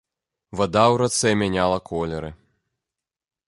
Вада ў рацэ мяняла колеры.